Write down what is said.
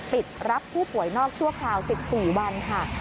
ปิดรับผู้ป่วยนอกชั่วคราว๑๔วันค่ะ